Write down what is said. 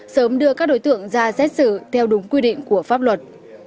sớm đưa các đối tượng ra xét xử theo đúng quy định của pháp luật